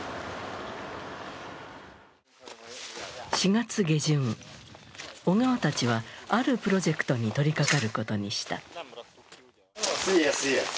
４月下旬、小川たちは、あるプロジェクトに取りかかることにした。